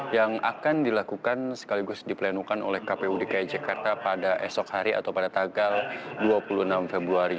yang akan dilakukan sekaligus diplenukan oleh kpu dki jakarta pada esok hari atau pada tanggal dua puluh enam februari